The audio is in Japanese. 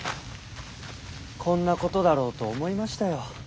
こんなことだろうと思いましたよ。